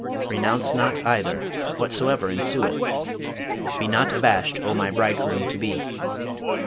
Renounce not either, whatsoever ensueth. Be not abashed, O my bridegroom to be!'